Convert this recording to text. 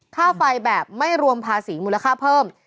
ค่าไฟแบบไม่รวมภาษีมูลค่าเพิ่ม